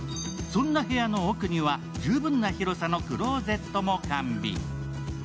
そんな部屋の奥には十分な広さのクローゼットも完備。